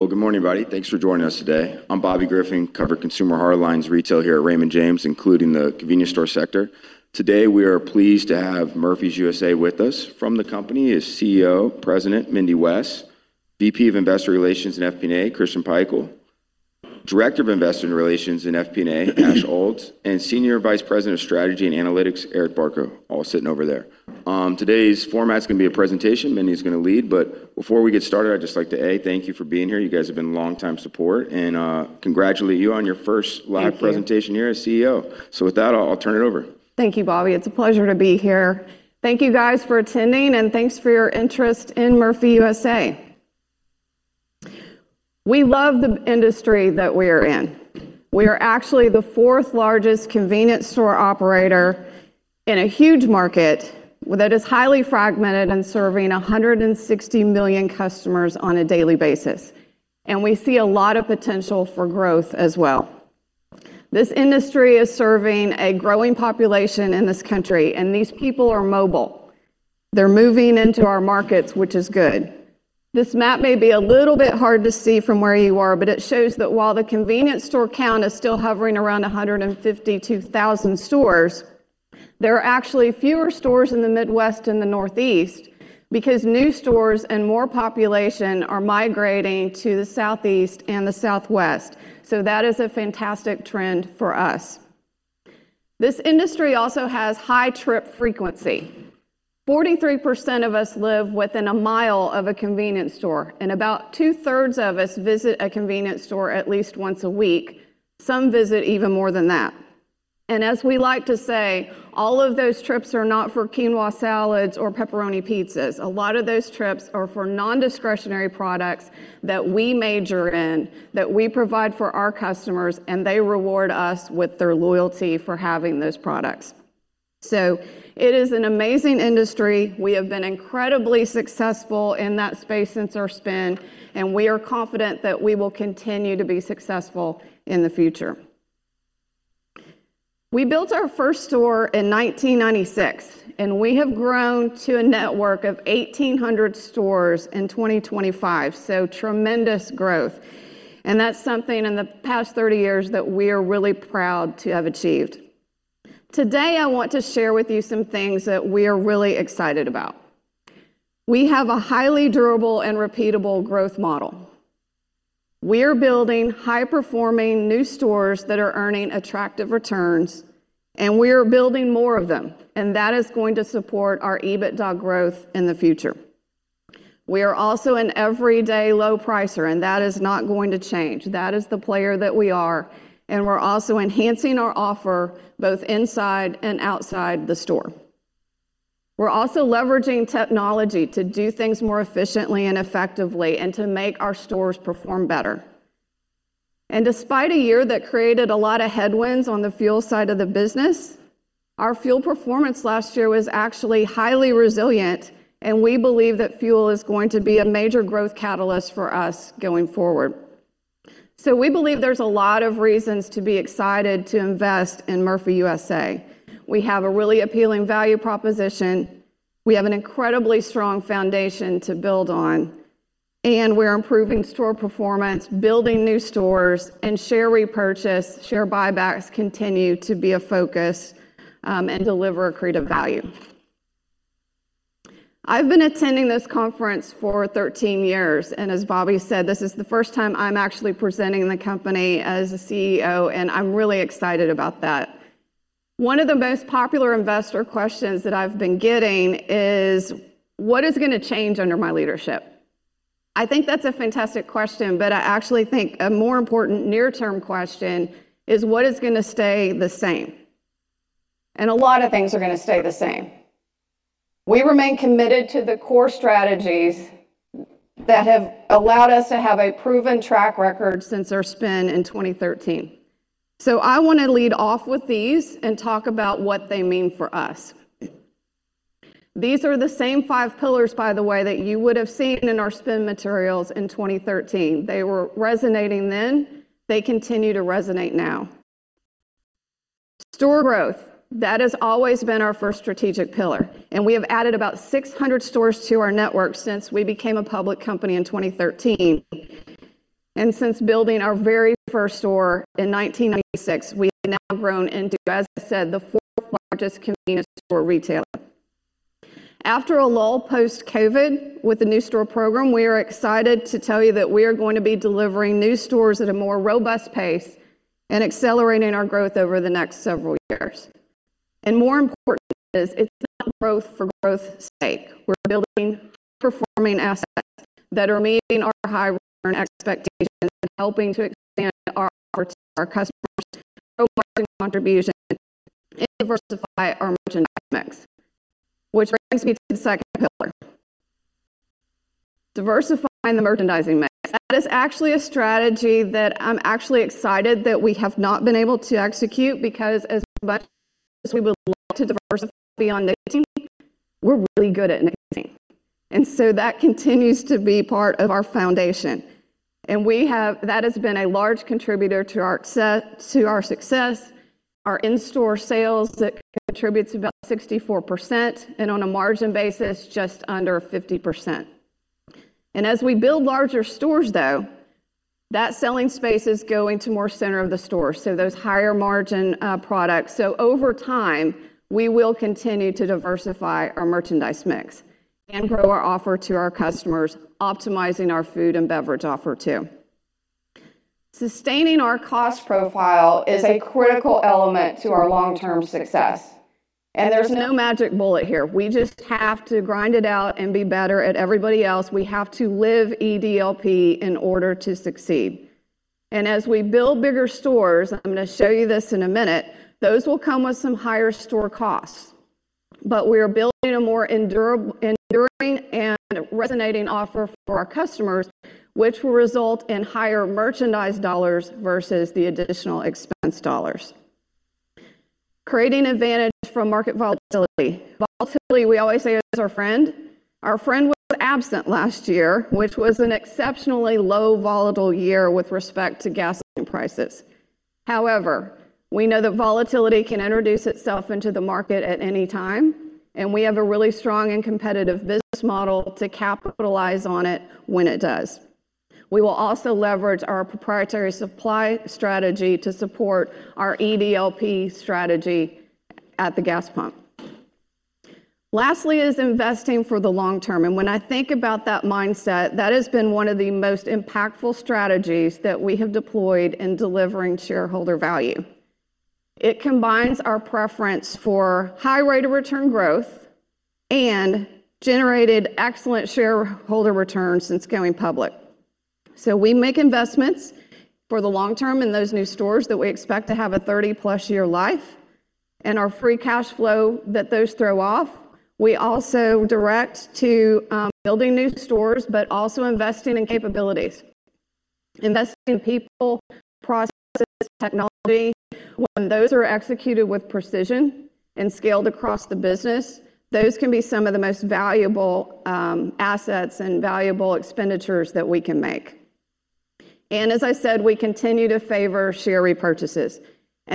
Well, good morning, everybody. Thanks for joining us today. I'm Bobby Griffin, cover consumer hard lines retail here at Raymond James, including the convenience store sector. Today, we are pleased to have Murphy USA with us. From the company is CEO, President, Mindy West, VP of Investor Relations and FP&A, Christian Pikul, Director of Investor Relations and FP&A, Ash Aulds, and Senior Vice President of Strategy and Analytics, Eric Bartko, all sitting over there. Today's format's gonna be a presentation. Mindy's gonna lead. Before we get started, I'd just like to, A, thank you for being here. You guys have been long-time support, and, congratulate you on your first live presentation here as CEO. Thank you. With that, I'll turn it over. Thank you, Bobby. It's a pleasure to be here. Thank you guys for attending, and thanks for your interest in Murphy USA. We love the industry that we are in. We are actually the fourth largest convenience store operator in a huge market that is highly fragmented and serving 160 million customers on a daily basis, and we see a lot of potential for growth as well. This industry is serving a growing population in this country, and these people are mobile. They're moving into our markets, which is good. This map may be a little bit hard to see from where you are, but it shows that while the convenience store count is still hovering around 152,000 stores, there are actually fewer stores in the Midwest and the Northeast because new stores and more population are migrating to the Southeast and the Southwest. That is a fantastic trend for us. This industry also has high trip frequency. 43% of us live within a mile of a convenience store, and about two-thirds of us visit a convenience store at least once a week. Some visit even more than that. As we like to say, all of those trips are not for quinoa salads or pepperoni pizzas. A lot of those trips are for non-discretionary products that we major in, that we provide for our customers, and they reward us with their loyalty for having those products. It is an amazing industry. We have been incredibly successful in that space since our spin, and we are confident that we will continue to be successful in the future. We built our first store in 1996, and we have grown to a network of 1,800 stores in 2025, so tremendous growth. That's something in the past 30 years that we are really proud to have achieved. Today, I want to share with you some things that we are really excited about. We have a highly durable and repeatable growth model. We are building high-performing new stores that are earning attractive returns. We are building more of them. That is going to support our EBITDA growth in the future. We are also an everyday low pricer. That is not going to change. That is the player that we are. We're also enhancing our offer both inside and outside the store. We're also leveraging technology to do things more efficiently and effectively and to make our stores perform better. Despite a year that created a lot of headwinds on the fuel side of the business, our fuel performance last year was actually highly resilient. We believe that fuel is going to be a major growth catalyst for us going forward. We believe there's a lot of reasons to be excited to invest in Murphy USA. We have a really appealing value proposition. We have an incredibly strong foundation to build on, and we're improving store performance, building new stores, and share repurchase, share buybacks continue to be a focus, and deliver accretive value. I've been attending this conference for 13 years, and as Bobby said, this is the first time I'm actually presenting the company as a CEO, and I'm really excited about that. One of the most popular investor questions that I've been getting is, "What is gonna change under my leadership?" I think that's a fantastic question, but I actually think a more important near term question is, "What is gonna stay the same?" A lot of things are gonna stay the same. We remain committed to the core strategies that have allowed us to have a proven track record since our spin in 2013. I wanna lead off with these and talk about what they mean for us. These are the same five pillars, by the way, that you would have seen in our spin materials in 2013. They were resonating then. They continue to resonate now. Store growth, that has always been our first strategic pillar, and we have added about 600 stores to our network since we became a public company in 2013. Since building our very first store in 1996, we've now grown into, as I said, the fourth-largest convenience store retailer. After a lull post-COVID with the new store program, we are excited to tell you that we are going to be delivering new stores at a more robust pace and accelerating our growth over the next several years. More important is it's not growth for growth's sake. We're building high-performing assets that are meeting our high return expectations and helping to expand our offer to our customers, grow margin contribution, and diversify our merchandise mix. Which brings me to the second pillar, diversifying the merchandising mix. That is actually a strategy that I'm actually excited that we have not been able to execute because as much as we would love to diversify beyond knitting, we're really good at knitting, and so that continues to be part of our foundation. That has been a large contributor to our success. Our in-store sales that contributes about 64%, and on a margin basis, just under 50%. As we build larger stores, though, that selling space is going to more center of the store. Those higher margin products. Over time, we will continue to diversify our merchandise mix and grow our offer to our customers, optimizing our food and beverage offer too. Sustaining our cost profile is a critical element to our long-term success, there's no magic bullet here. We just have to grind it out and be better at everybody else. We have to live EDLP in order to succeed. As we build bigger stores, I'm gonna show you this in a minute, those will come with some higher store costs. We are building a more enduring and resonating offer for our customers, which will result in higher merchandise dollars versus the additional expense dollars. Creating advantage from market volatility. Volatility, we always say, is our friend. Our friend was absent last year, which was an exceptionally low volatile year with respect to gasoline prices. However, we know that volatility can introduce itself into the market at any time, and we have a really strong and competitive business model to capitalize on it when it does. We will also leverage our proprietary supply strategy to support our EDLP strategy at the gas pump. Lastly is investing for the long term. When I think about that mindset, that has been one of the most impactful strategies that we have deployed in delivering shareholder value. It combines our preference for high rate of return growth and generated excellent shareholder returns since going public. We make investments for the long term in those new stores that we expect to have a 30-plus year life and our free cash flow that those throw off. We also direct to building new stores, but also investing in capabilities. Investing in people, processes, technology. When those are executed with precision and scaled across the business, those can be some of the most valuable assets and valuable expenditures that we can make. As I said, we continue to favor share repurchases.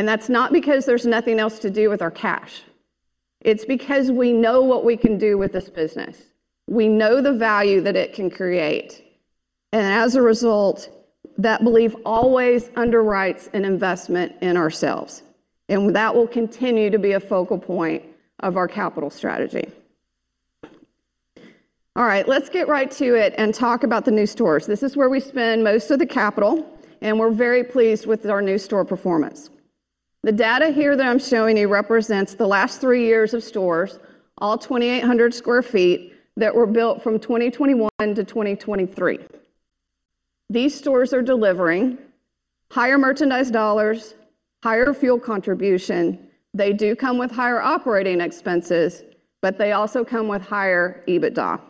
That's not because there's nothing else to do with our cash. It's because we know what we can do with this business. We know the value that it can create. As a result, that belief always underwrites an investment in ourselves, and that will continue to be a focal point of our capital strategy. Let's get right to it and talk about the new stores. This is where we spend most of the capital, and we're very pleased with our new store performance. The data here that I'm showing you represents the last three years of stores, all 2,800 sq ft that were built from 2021 to 2023. These stores are delivering higher merchandise dollars, higher fuel contribution. They do come with higher operating expenses, they also come with higher EBITDA.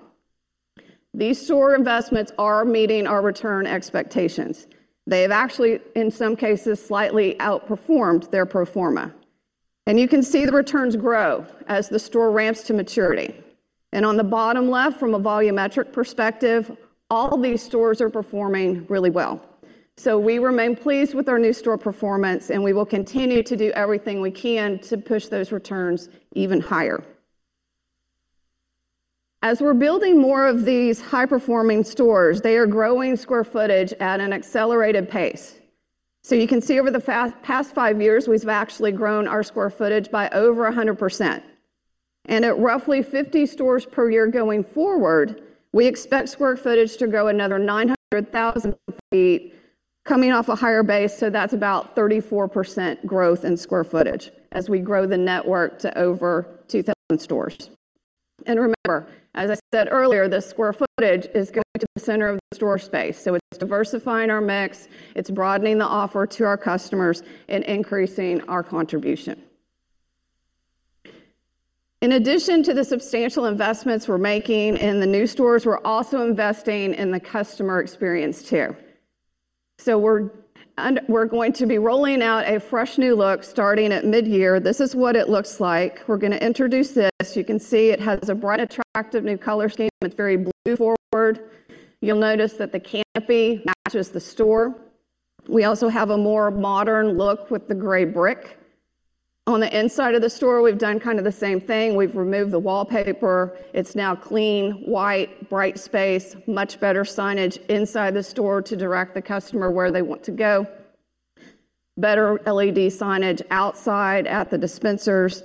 These store investments are meeting our return expectations. They've actually, in some cases, slightly outperformed their pro forma. You can see the returns grow as the store ramps to maturity. On the bottom left, from a volumetric perspective, all these stores are performing really well. We remain pleased with our new store performance, we will continue to do everything we can to push those returns even higher. As we're building more of these high-performing stores, they are growing square footage at an accelerated pace. You can see over the past five years, we've actually grown our square footage by over 100%. At roughly 50 stores per year going forward, we expect square footage to grow another 900,000 ft coming off a higher base, so that's about 34% growth in square footage as we grow the network to over 2,000 stores. Remember, as I said earlier, the square footage is going to the center of the store space. It's diversifying our mix, it's broadening the offer to our customers, and increasing our contribution. In addition to the substantial investments we're making in the new stores, we're also investing in the customer experience too. We're going to be rolling out a fresh new look starting at mid-year. This is what it looks like. We're gonna introduce this. You can see it has a bright, attractive new color scheme. It's very blue forward. You'll notice that the canopy matches the store. We also have a more modern look with the gray brick. On the inside of the store, we've done kind of the same thing. We've removed the wallpaper. It's now clean, white, bright space, much better signage inside the store to direct the customer where they want to go. Better LED signage outside at the dispensers.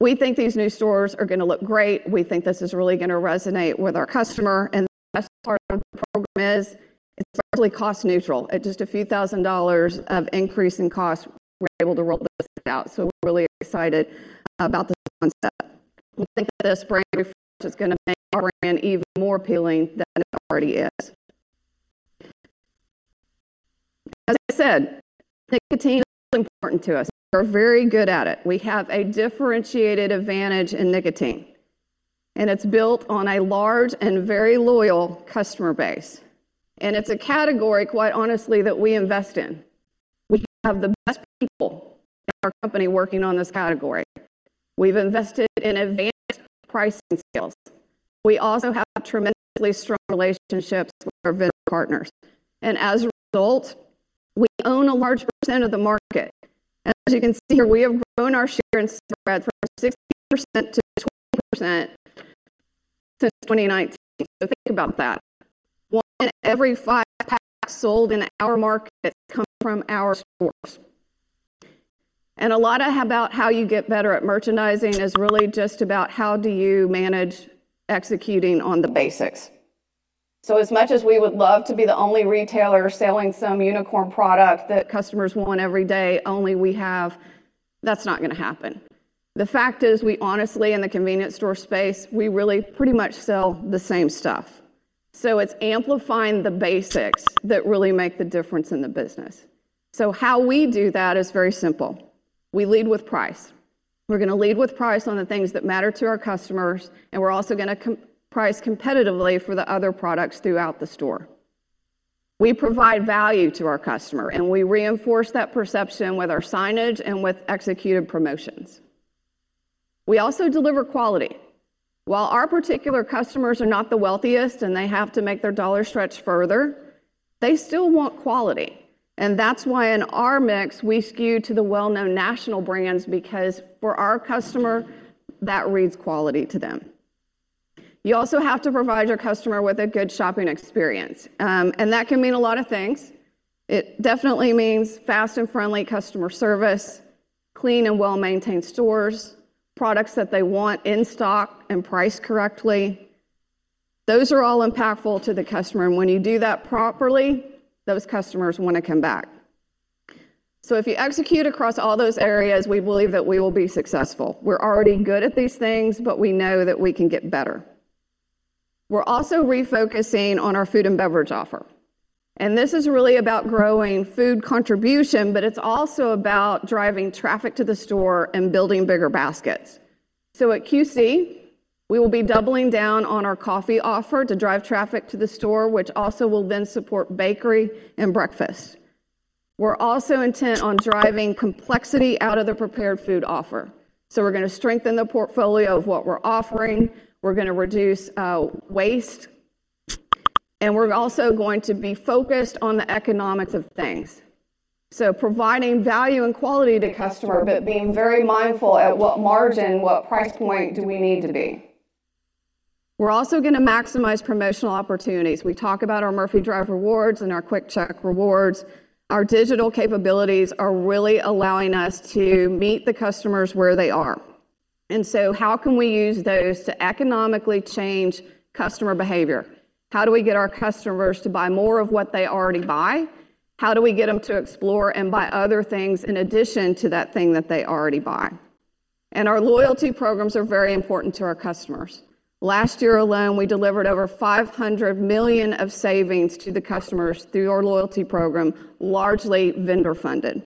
We think these new stores are gonna look great. We think this is really gonna resonate with our customer. The best part of the program is it's actually cost neutral. At just a few thousand dollars of increase in cost, we're able to roll this out, so we're really excited about this concept. We think this brand refresh is gonna make our brand even more appealing than it already is. As I said, nicotine is important to us. We're very good at it. We have a differentiated advantage in nicotine, it's built on a large and very loyal customer base. It's a category, quite honestly, that we invest in. We have the best people in our company working on this category. We've invested in advanced pricing skills. We also have tremendously strong relationships with our vendor partners. As a result, we own a large percent of the market. As you can see here, we have grown our share and spread from 16%-20% since 2019. Think about that. One in every five packs sold in our market come from our stores. A lot about how you get better at merchandising is really just about how do you manage executing on the basics. As much as we would love to be the only retailer selling some unicorn product that customers want every day, only we have, that's not gonna happen. The fact is we honestly, in the convenience store space, we really pretty much sell the same stuff. It's amplifying the basics that really make the difference in the business. How we do that is very simple. We lead with price. We're gonna lead with price on the things that matter to our customers, and we're also gonna price competitively for the other products throughout the store. We provide value to our customer, and we reinforce that perception with our signage and with executed promotions. We also deliver quality. While our particular customers are not the wealthiest and they have to make their dollar stretch further, they still want quality. That's why in our mix, we skew to the well-known national brands because for our customer, that reads quality to them. You also have to provide your customer with a good shopping experience, and that can mean a lot of things. It definitely means fast and friendly customer service, clean and well-maintained stores, products that they want in stock and priced correctly. Those are all impactful to the customer, and when you do that properly, those customers wanna come back. If you execute across all those areas, we believe that we will be successful. We're already good at these things, but we know that we can get better. We're also refocusing on our food and beverage offer, and this is really about growing food contribution, but it's also about driving traffic to the store and building bigger baskets. At QuickChek, we will be doubling down on our coffee offer to drive traffic to the store, which also will then support bakery and breakfast. We're also intent on driving complexity out of the prepared food offer. We're gonna strengthen the portfolio of what we're offering. We're gonna reduce waste, and we're also going to be focused on the economics of things. Providing value and quality to customer, but being very mindful at what margin, what price point do we need to be. We're also gonna maximize promotional opportunities. We talk about our Murphy Drive Rewards and our QuickChek Rewards. Our digital capabilities are really allowing us to meet the customers where they are. How can we use those to economically change customer behavior? How do we get our customers to buy more of what they already buy? How do we get them to explore and buy other things in addition to that thing that they already buy? Our loyalty programs are very important to our customers. Last year alone, we delivered over $500 million of savings to the customers through our loyalty program, largely vendor-funded.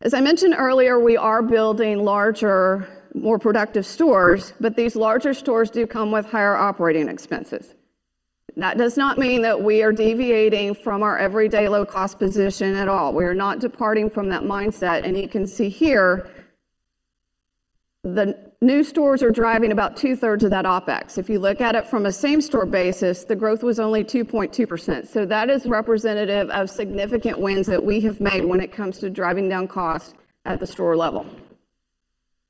As I mentioned earlier, we are building larger, more productive stores, but these larger stores do come with higher operating expenses. That does not mean that we are deviating from our everyday low cost position at all. We are not departing from that mindset, and you can see here the new stores are driving about two-thirds of that OpEx. If you look at it from a same store basis, the growth was only 2.2%. That is representative of significant wins that we have made when it comes to driving down costs at the store level.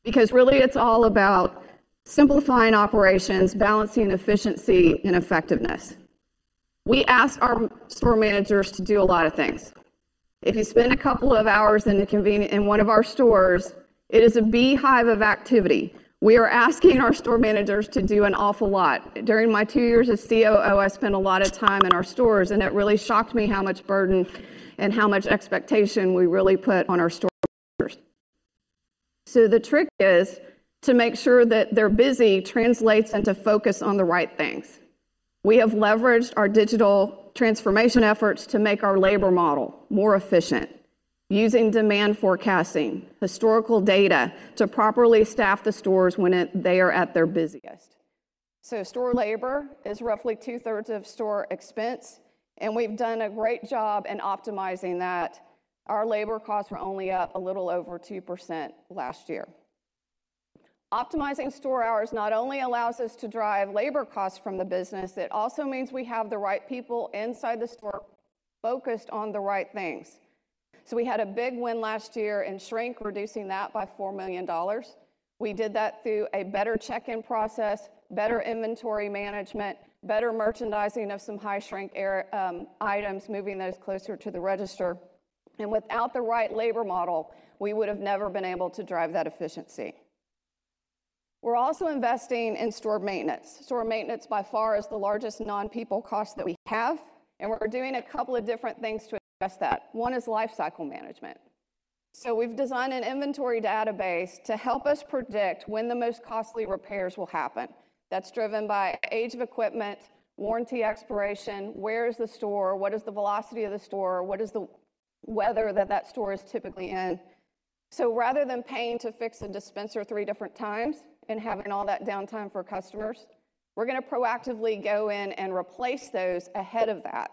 Because really it's all about simplifying operations, balancing efficiency and effectiveness. We ask our store managers to do a lot of things. If you spend a couple of hours in one of our stores, it is a beehive of activity. We are asking our store managers to do an awful lot. During my two years as COO, I spent a lot of time in our stores, and it really shocked me how much burden and how much expectation we really put on our store managers. The trick is to make sure that their busy translates into focus on the right things. We have leveraged our digital transformation efforts to make our labor model more efficient using demand forecasting, historical data to properly staff the stores when they are at their busiest. Store labor is roughly two-thirds of store expense, and we've done a great job in optimizing that. Our labor costs were only up a little over 2% last year. Optimizing store hours not only allows us to drive labor costs from the business, it also means we have the right people inside the store focused on the right things. We had a big win last year in shrink, reducing that by $4 million. We did that through a better check-in process, better inventory management, better merchandising of some high shrink error, items, moving those closer to the register. Without the right labor model, we would have never been able to drive that efficiency. We're also investing in store maintenance. Store maintenance by far is the largest non-people cost that we have, and we're doing a couple of different things to address that. One is lifecycle management. We've designed an inventory database to help us predict when the most costly repairs will happen. That's driven by age of equipment, warranty expiration, where is the store, what is the velocity of the store, what is the weather that that store is typically in. Rather than paying to fix a dispenser three different times and having all that downtime for customers, we're gonna proactively go in and replace those ahead of that.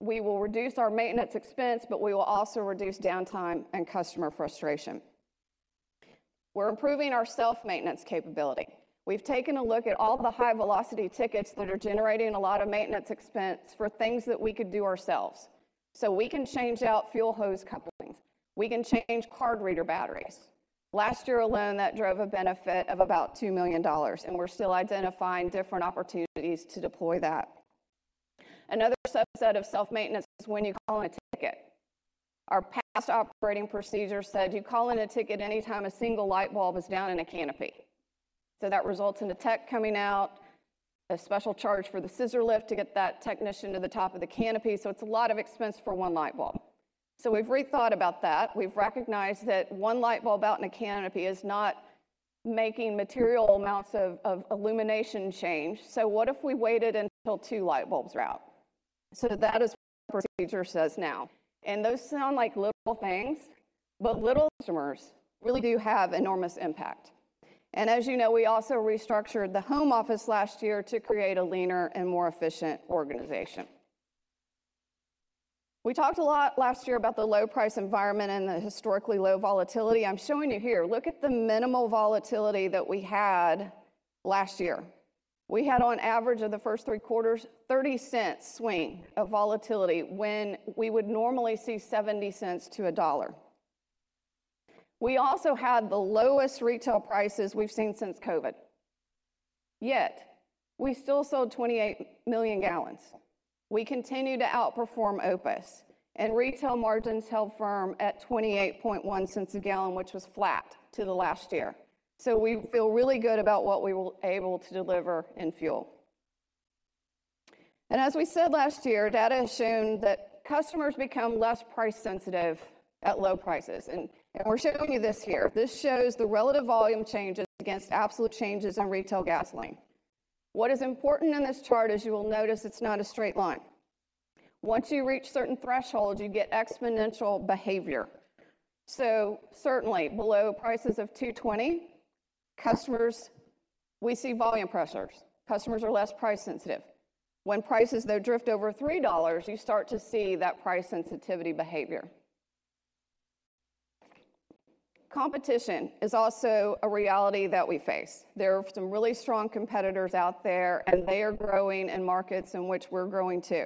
We will reduce our maintenance expense, but we will also reduce downtime and customer frustration. We're improving our self-maintenance capability. We've taken a look at all the high-velocity tickets that are generating a lot of maintenance expense for things that we could do ourselves. We can change out fuel hose couplings. We can change card reader batteries. Last year alone, that drove a benefit of about $2 million. We're still identifying different opportunities to deploy that. Another subset of self-maintenance is when you call a ticket. Our past operating procedure said you call in a ticket anytime a single light bulb is down in a canopy. That results in a tech coming out, a special charge for the scissor lift to get that technician to the top of the canopy. It's a lot of expense for one light bulb. We've rethought about that. We've recognized that one light bulb out in a canopy is not making material amounts of illumination change. What if we waited until two light bulbs are out? That is what procedure says now, and those sound like little things, but little customers really do have enormous impact. As you know, we also restructured the home office last year to create a leaner and more efficient organization. We talked a lot last year about the low price environment and the historically low volatility. I'm showing you here. Look at the minimal volatility that we had last year. We had on average of the first three quarters, $0.30 swing of volatility when we would normally see $0.70-$1.00. We also had the lowest retail prices we've seen since COVID. We still sold 28 million gallons. We continue to outperform OPIS, retail margins held firm at $0.281 a gallon, which was flat to the last year. We feel really good about what we were able to deliver in fuel. As we said last year, data has shown that customers become less price-sensitive at low prices. We're showing you this here. This shows the relative volume changes against absolute changes in retail gasoline. What is important in this chart is you will notice it's not a straight line. Once you reach certain thresholds, you get exponential behavior. Certainly below prices of $2.20, we see volume pressures. Customers are less price-sensitive. When prices though drift over $3, you start to see that price sensitivity behavior. Competition is also a reality that we face. There are some really strong competitors out there, and they are growing in markets in which we're growing too.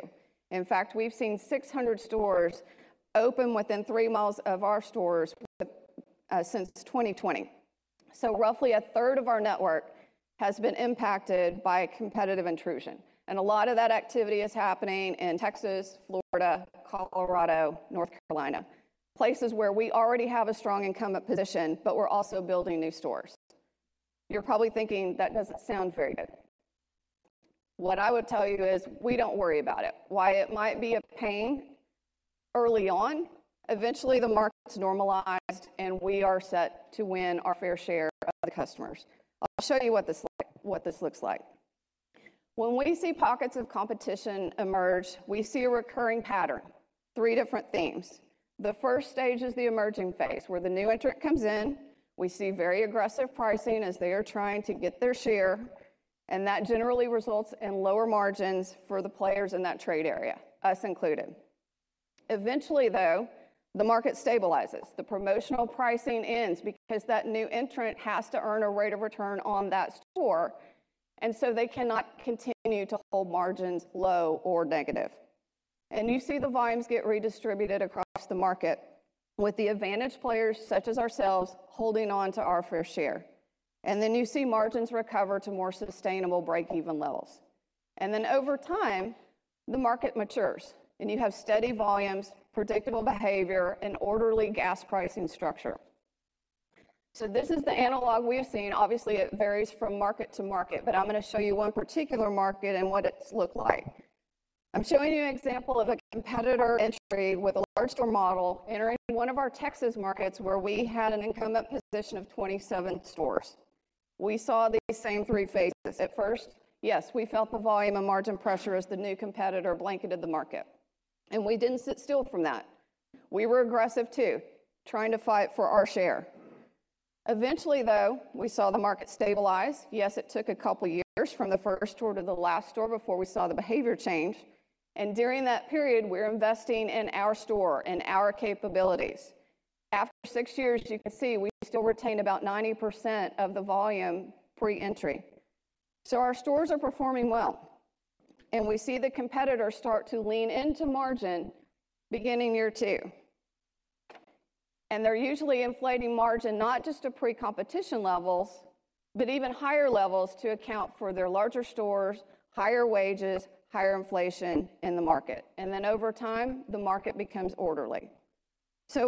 In fact, we've seen 600 stores open within three miles of our stores since 2020. Roughly a third of our network has been impacted by a competitive intrusion, and a lot of that activity is happening in Texas, Florida, Colorado, North Carolina. Places where we already have a strong incumbent position, we're also building new stores. You're probably thinking that doesn't sound very good. What I would tell you is we don't worry about it. Why it might be a pain early on, eventually the markets normalized, we are set to win our fair share of the customers. I'll show you what this looks like. When we see pockets of competition emerge, we see a recurring pattern, three different themes. The first stage is the emerging phase, where the new entrant comes in. We see very aggressive pricing as they are trying to get their share, that generally results in lower margins for the players in that trade area, us included. Eventually, though, the market stabilizes. The promotional pricing ends because that new entrant has to earn a rate of return on that store, and so they cannot continue to hold margins low or negative. You see the volumes get redistributed across the market with the advantage players such as ourselves holding on to our fair share. You see margins recover to more sustainable break-even levels. Over time, the market matures, and you have steady volumes, predictable behavior, and orderly gas pricing structure. This is the analog we have seen. Obviously, it varies from market to market, but I'm gonna show you one particular market and what it's looked like. I'm showing you an example of a competitor entry with a large store model entering one of our Texas markets where we had an incumbent position of 27 stores. We saw these same three phases. At first, yes, we felt the volume and margin pressure as the new competitor blanketed the market. We didn't sit still from that. We were aggressive, too, trying to fight for our share. Eventually, though, we saw the market stabilize. Yes, it took a couple years from the first store to the last store before we saw the behavior change. During that period, we're investing in our store and our capabilities. After six years, you can see we still retain about 90% of the volume pre-entry. Our stores are performing well, and we see the competitors start to lean into margin beginning year two. They're usually inflating margin not just to pre-competition levels, but even higher levels to account for their larger stores, higher wages, higher inflation in the market. Over time, the market becomes orderly.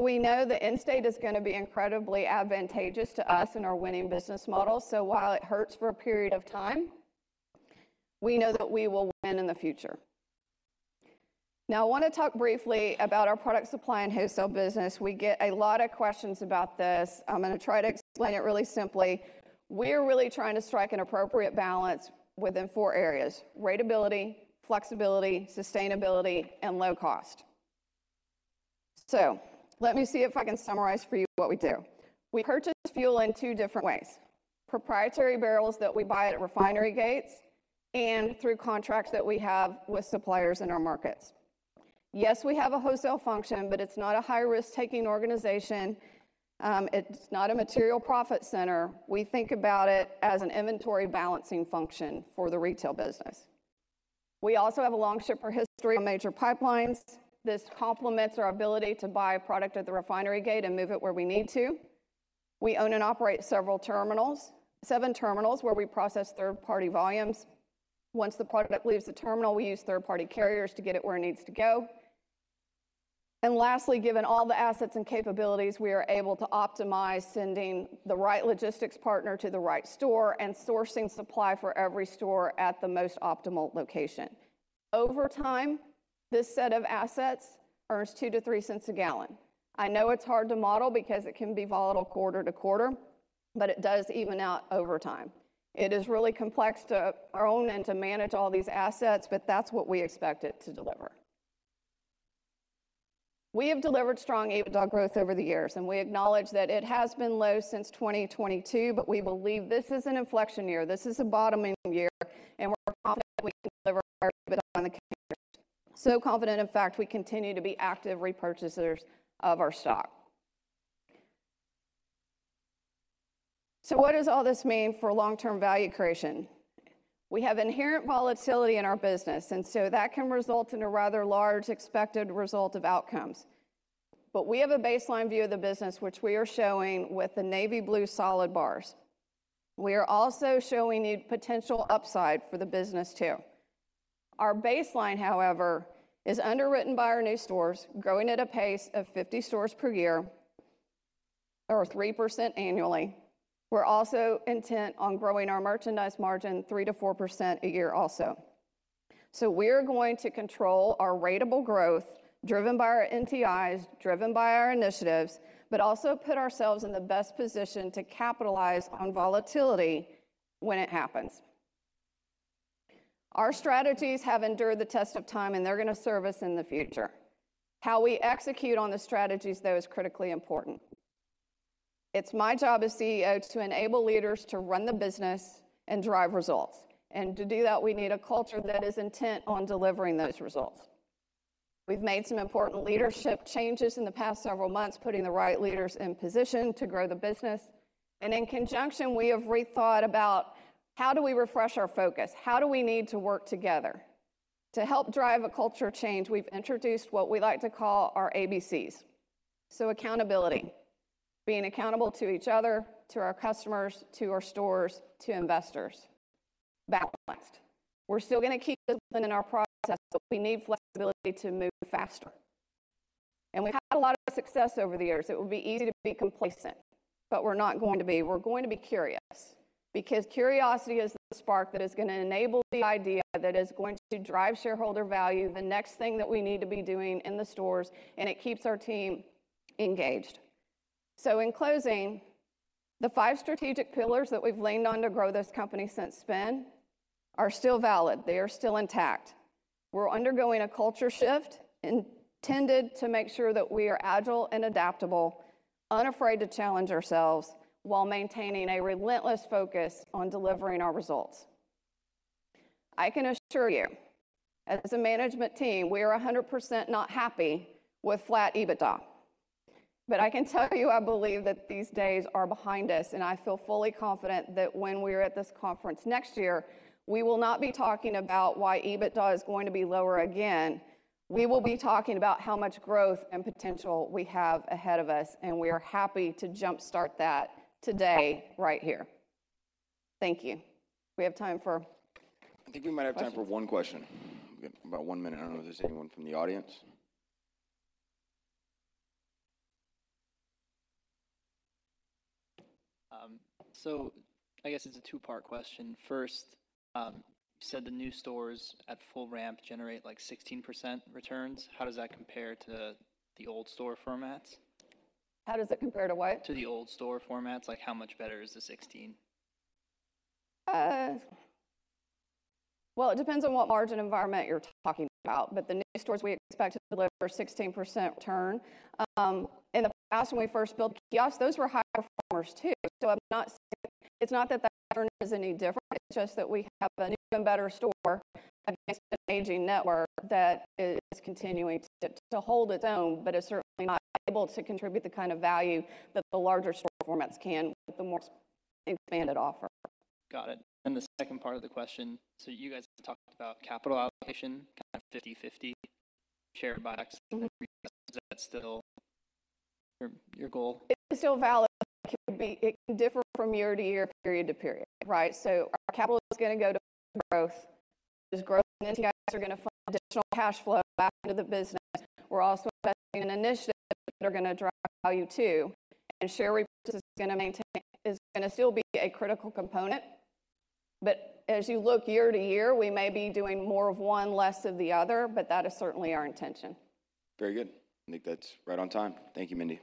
We know the end state is gonna be incredibly advantageous to us and our winning business model. While it hurts for a period of time, we know that we will win in the future. Now, I wanna talk briefly about our product supply and wholesale business. We get a lot of questions about this. I'm gonna try to explain it really simply. We're really trying to strike an appropriate balance within four areas: ratability, flexibility, sustainability, and low cost. Let me see if I can summarize for you what we do. We purchase fuel in two different ways: proprietary barrels that we buy at refinery gates and through contracts that we have with suppliers in our markets. Yes, we have a wholesale function, but it's not a high risk-taking organization. It's not a material profit center. We think about it as an inventory balancing function for the retail business. We also have a long shipper history on major pipelines. This complements our ability to buy a product at the refinery gate and move it where we need to. We own and operate several terminals, 7 terminals where we process third-party volumes. Once the product leaves the terminal, we use third-party carriers to get it where it needs to go. Lastly, given all the assets and capabilities, we are able to optimize sending the right logistics partner to the right store and sourcing supply for every store at the most optimal location. Over time, this set of assets earns 2 cents-3 cents a gallon. I know it's hard to model because it can be volatile quarter to quarter, but it does even out over time. It is really complex to own and to manage all these assets, but that's what we expect it to deliver. We have delivered strong EBITDA growth over the years, and we acknowledge that it has been low since 2022, but we believe this is an inflection year. This is a bottoming year, and we're confident we can deliver on the... Confident, in fact, we continue to be active repurchasers of our stock. What does all this mean for long-term value creation? We have inherent volatility in our business, and so that can result in a rather large expected result of outcomes. We have a baseline view of the business which we are showing with the navy blue solid bars. We are also showing you potential upside for the business too. Our baseline, however, is underwritten by our new stores growing at a pace of 50 stores per year or 3% annually. We're also intent on growing our merchandise margin 3%-4% a year also. We're going to control our ratable growth driven by our NTI, driven by our initiatives, but also put ourselves in the best position to capitalize on volatility when it happens. Our strategies have endured the test of time, and they're gonna serve us in the future. How we execute on the strategies, though, is critically important. It's my job as CEO to enable leaders to run the business and drive results. To do that, we need a culture that is intent on delivering those results. We've made some important leadership changes in the past several months, putting the right leaders in position to grow the business. In conjunction, we have rethought about how do we refresh our focus? How do we need to work together? To help drive a culture change, we've introduced what we like to call our ABCs. Accountability, being accountable to each other, to our customers, to our stores, to investors. Balanced. We're still gonna keep building our process, but we need flexibility to move faster. We've had a lot of success over the years. It would be easy to be complacent, but we're not going to be. We're going to be curious because curiosity is the spark that is gonna enable the idea that is going to drive shareholder value, the next thing that we need to be doing in the stores, and it keeps our team engaged. In closing, the five strategic pillars that we've leaned on to grow this company since spin are still valid. They are still intact. We're undergoing a culture shift intended to make sure that we are agile and adaptable, unafraid to challenge ourselves while maintaining a relentless focus on delivering our results. I can assure you, as a management team, we are 100% not happy with flat EBITDA. I can tell you, I believe that these days are behind us, and I feel fully confident that when we are at this conference next year, we will not be talking about why EBITDA is going to be lower again. We will be talking about how much growth and potential we have ahead of us, and we are happy to jumpstart that today right here. Thank you. We have time for. I think we might have time for one question. We've got about one minute. I don't know if there's anyone from the audience. I guess it's a two-part question. First, you said the new stores at full ramp generate like 16% returns. How does that compare to the old store formats? How does it compare to what? To the old store formats? Like how much better is the 16? Well, it depends on what margin environment you're talking about, but the new stores we expect to deliver 16% return. In the past, when we first built kiosks, those were high performers too. It's not that the return is any different. It's just that we have an even better store against an aging network that is continuing to hold its own, but is certainly not able to contribute the kind of value that the larger store formats can with the more expanded offer. Got it. The second part of the question, you guys talked about capital allocation, kind of 50/50 share buybacks and then reinvest, is that still your goal? It's still valid. It can differ from year to year, period to period, right? Our capital is gonna go to growth. As growth and NTI are gonna fund additional cash flow back into the business, we're also investing in initiatives that are gonna drive value too. And share repurchase is gonna still be a critical component. But as you look year to year, we may be doing more of one, less of the other, but that is certainly our intention. Very good. I think that's right on time. Thank you, Mindy.